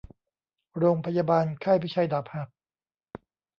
โรงพยาบาลค่ายพิชัยดาบหัก